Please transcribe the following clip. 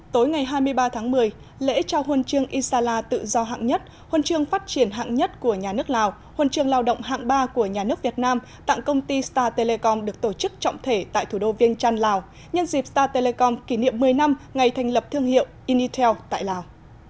tối ngày hai mươi ba tháng một mươi lễ trao huân chương isala tự do hạng nhất huân chương phát triển hạng nhất của nhà nước lào huân chương lao động hạng ba của nhà nước việt nam tặng công ty star telecom được tổ chức trọng thể tại thủ đô viên trăn lào nhân dịp star telecom kỷ niệm một mươi năm ngày thành lập thương hiệu initel tại lào